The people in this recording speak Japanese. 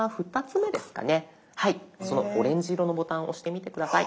はいそのオレンジ色のボタン押してみて下さい。